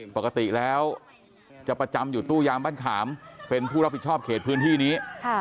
ปกติแล้วจะประจำอยู่ตู้ยามบ้านขามเป็นผู้รับผิดชอบเขตพื้นที่นี้